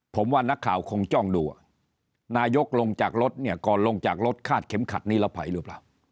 ผมว่านักข่าวคงจ้องดูว่านายกลงจากรถเนี่ยก่อนลงจากรถคาดเข็มขัดนิรภัยหรือเปล่า